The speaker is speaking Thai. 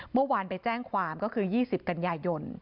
เมื่อวานไปแจ้งความก็คือ๒๐กันยายน